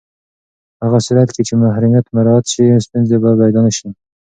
په هغه صورت کې چې محرمیت مراعت شي، ستونزې به پیدا نه شي.